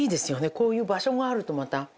こういう場所があるとまた。